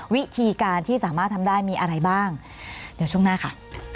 วิธีการที่สามารถทำได้มีอะไรบ้างเดี๋ยวช่วงหน้าค่ะ